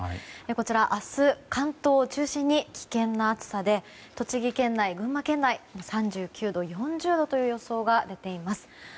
こちら明日関東を中心に危険な暑さで栃木県内、群馬県内３９度、４０度という予想が出ています。